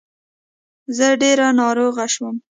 زه ډير ناروغه شوم